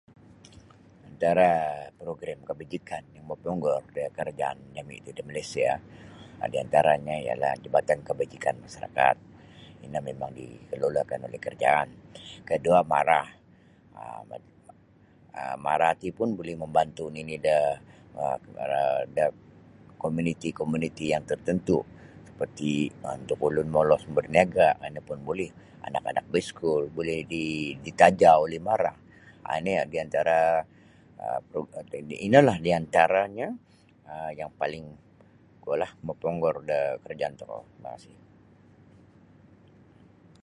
Antara program kabajikan yang maponggor da karajaan jami ti da Malaysia diantaranyo ialah jabatan kebajikan masyarakat ino mimang dikelolakan oleh kerajaan kedua MARA um MARA ti pun buli mambantu da um [unintelligible] komuniti-komuniti yang tertentu seperti um untuk ulun molos barniaga ataupun buli anak-anak baiskul buli di-ditaja oleh MARA um ini di antara [unintelligible] ino la di antaranyo yang paling kuo lah maponggor da karajaan tokou makasi.